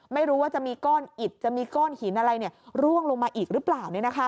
ไม่รู้ว่าจะมีก้อนอิดจะมีก้อนหินอะไรร่วงลงมาอีกหรือเปล่า